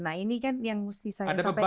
nah ini kan yang mesti saya sampaikan